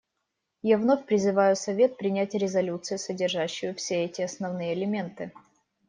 Я вновь призываю Совет принять резолюцию, содержащую все эти основные элементы.